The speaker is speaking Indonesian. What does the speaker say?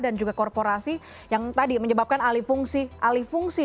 dan juga korporasi yang tadi menyebabkan alifungsi